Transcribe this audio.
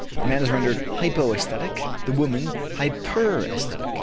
The man is rendered hypoesthetic, the woman hyperesthetic."